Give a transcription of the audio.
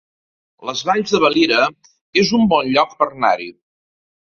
Les Valls de Valira es un bon lloc per anar-hi